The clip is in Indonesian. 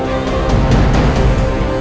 dewa temen aku